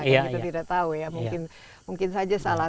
kalau kita tidak tahu ya mungkin saja salah